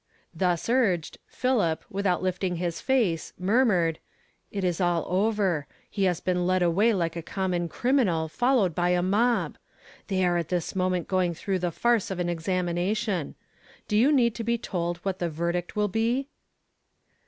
Thus urged, Pliilip, without lifting his face murmured, "It is all over; he has been led ^^y^y like a common criminal, followed by a mob ! They are at this moment going through tiie farce of an examination. Do you need to be told what the verdict will be?"